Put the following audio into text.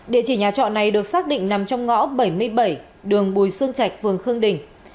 địa chỉ nhà trọ này được xác định nằm trong ngõ bảy mươi bảy đường bùi sương trạch phường khương đình